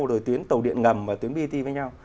rồi tuyến tàu điện ngầm và tuyến bt với nhau